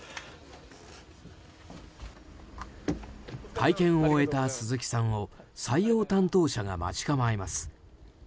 体験を終えた鈴木さんを採用担当者が待ち構えます。